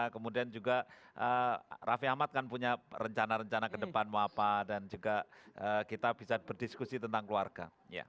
kemudian juga raffi ahmad kan punya rencana rencana ke depan mau apa dan juga kita bisa berdiskusi tentang keluarga